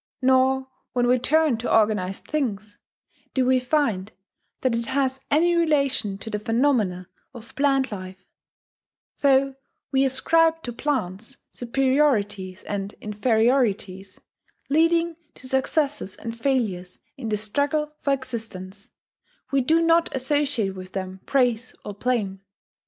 Nor, when we turn to organized things, do we find that it has any relation to the phenomena of plant life; though we ascribe to plants superiorities and inferiorities, leading to successes and failures in the struggle for existence, we do not associate with them praise or blame.